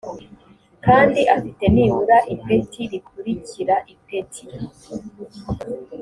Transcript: kandi afite nibura ipeti rikurikira ipeti